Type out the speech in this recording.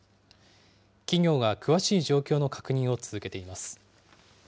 企業が詳しい状況の確認を続けています。